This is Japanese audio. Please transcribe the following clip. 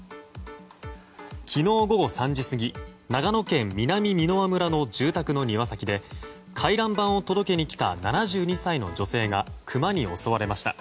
昨日午後３時過ぎ長野県南箕輪村の住宅の庭先で回覧板を届けに来た７２歳の女性がクマに襲われました。